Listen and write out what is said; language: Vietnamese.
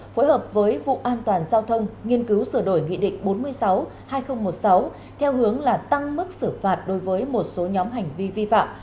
phối hợp với vụ an toàn giao thông nghiên cứu sửa đổi nghị định bốn mươi sáu hai nghìn một mươi sáu theo hướng là tăng mức xử phạt đối với một số nhóm hành vi vi phạm